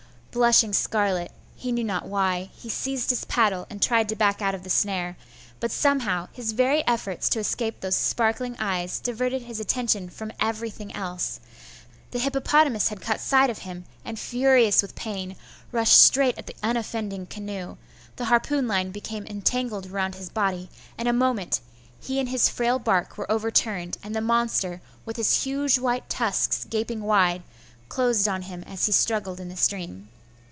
Blushing scarlet, he knew not why, he seized his paddle, and tried to back out of the snare.... but somehow, his very efforts to escape those sparkling eyes diverted his attention from everything else: the hippopotamus had caught sight of him, and furious with pain, rushed straight at the unoffending canoe; the harpoon line became entangled round his body, and in a moment he and his frail bark were overturned, and the monster, with his huge white tusks gaping wide, close on him as he struggled in the stream.